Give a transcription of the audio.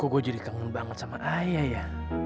gue jadi kangen banget sama ayah ya